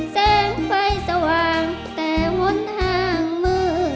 แสงไฟสว่างแต่ห้นทางมืด